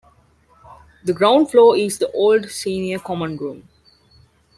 The ground floor is the Old Senior Common Room.